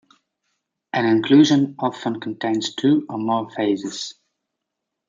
An inclusion often contains two or more phases.